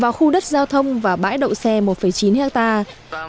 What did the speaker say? vào khu đất giao thông và bãi đậu xe một chín hectare